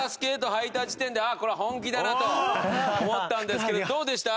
履いた時点で「あっ！これは本気だな」と思ったんですけどどうでした？